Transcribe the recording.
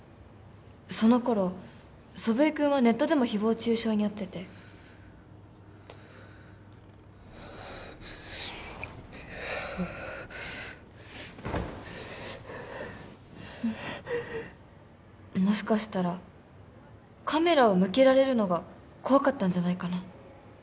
その頃祖父江君はネットでも誹謗中傷に遭っててはあはあもしかしたらカメラを向けられるのが怖かったんじゃないかな？